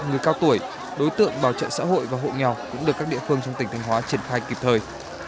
người cao tuổi đối tượng bảo trợ xã hội và hộ nghèo cũng được các địa phương trong tỉnh thanh hóa triển khai kịp thời